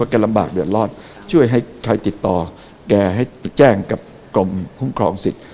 ช่วยให้ใครติดต่อแกให้แจ้งกับกรมคุ้มคองเพื่อช่วยให้ใครติดต่อแกให้แจ้งกับกรมผมคลองสิทธิ์